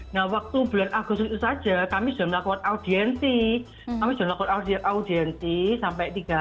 nah waktu bulan agustus itu saja kami sudah melakukan audiensi kami sudah lakukan audiensi sampai tiga